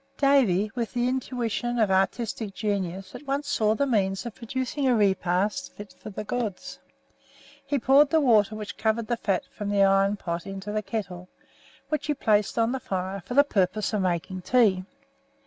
Davy, with the intuition of artistic genius, at once saw the means of producing a repast fit for the gods. He poured the water which covered the fat from the iron pot into the kettle, which he placed on the fire for the purpose of making tea.